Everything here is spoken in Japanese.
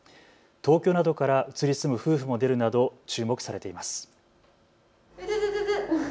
東京などから移り住む夫婦も出るなど注目されています。